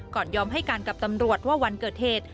ยอมให้การกับตำรวจว่าวันเกิดเหตุ